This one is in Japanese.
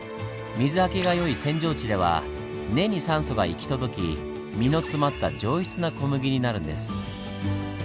水はけが良い扇状地では根に酸素が行き届き実の詰まった上質な小麦になるんです。